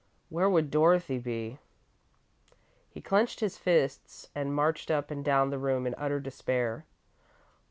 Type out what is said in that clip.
Where would Dorothy be?" He clenched his fists and marched up and down the room in utter despair.